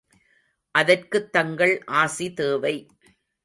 அதற்குத் தங்கள் ஆசி தேவை.